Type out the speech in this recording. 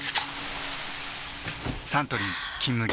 サントリー「金麦」